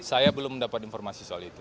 saya belum mendapat informasi soal itu